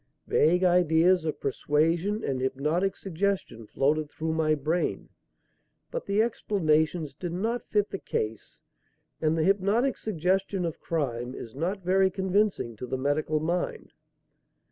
Vague ideas of persuasion and hypnotic suggestion floated through my brain; but the explanations did not fit the case and the hypnotic suggestion of crime is not very convincing to the medical mind.